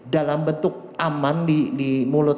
dalam bentuk aman di mulut